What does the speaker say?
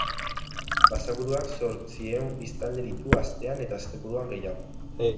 Basaburuak zortziehun biztanle ditu astean eta asteburuan gehiago.